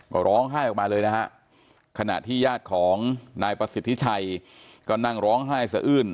ก็ร้องไห้ออกมาเลยนะฮะขณะที่ญาติของนายประสิทธิชัยก็นั่งร้องไห้สะอื้น